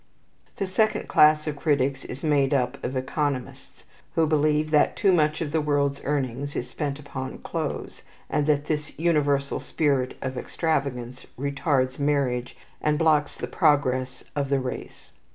The second class of critics is made up of economists, who believe that too much of the world's earnings is spent upon clothes, and that this universal spirit of extravagance retards marriage, and blocks the progress of the race.